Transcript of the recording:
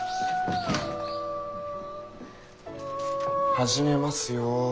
始めますよ。